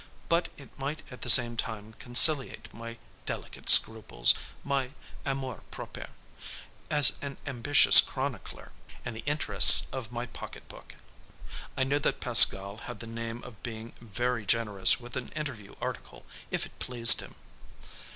But it might at the same time conciliate my delicate scruples, my "amour propre" as an ambitious chronicler, and the interests of my pocket book. I knew that Pascal had the name of being very generous with an interview article if it pleased him.